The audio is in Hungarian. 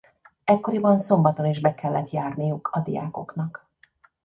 Ekkoriban szombaton is be kellett járniuk a diákoknak.